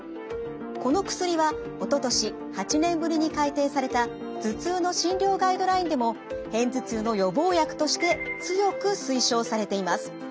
この薬はおととし８年ぶりに改訂された頭痛の診療ガイドラインでも片頭痛の予防薬として強く推奨されています。